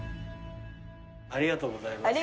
ありがとうございます。